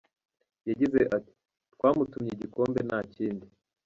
Yagize ati: “Twamutumye igikombe nta kindi.